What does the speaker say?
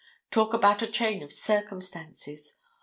Talk about a chain of circumstances!